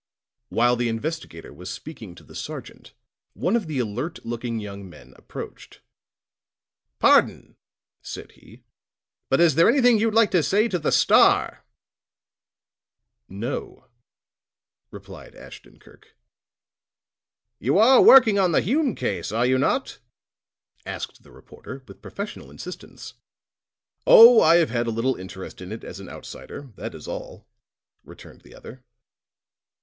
While the investigator was speaking to the sergeant, one of the alert looking young men approached. "Pardon," said he. "But is there anything you'd like to say to the Star?" "No," replied Ashton Kirk. "You are working on the Hume case, are you not?" asked the reporter with professional insistence. "Oh, I have had a little interest in it as an outsider, that is all," returned the other.